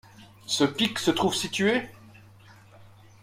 Ce pic se trouve situé?...